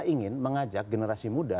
nah kita ingin mengajak generasi muda